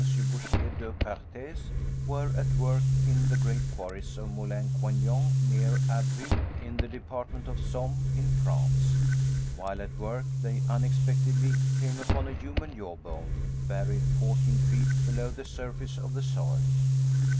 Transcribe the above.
Boucher de Perthes, were at work in the great quarries of Moulin Quignon, near Abbeville, in the department of the Somme, in France. While at work, they unexpectedly came upon a human jawbone buried fourteen feet below the surface of the soil.